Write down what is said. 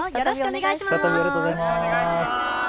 よろしくお願いします。